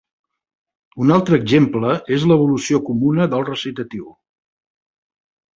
Un altre exemple és l'evolució comuna del recitatiu.